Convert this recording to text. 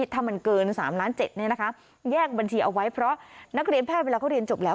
ถ้ามันเกิน๓ล้าน๗แยกบัญชีเอาไว้เพราะนักเรียนแพทย์เวลาเขาเรียนจบแล้ว